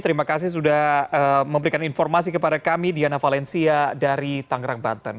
terima kasih sudah memberikan informasi kepada kami diana valencia dari tangerang banten